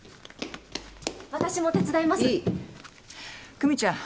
久実ちゃん